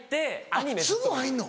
あっすぐ入んの？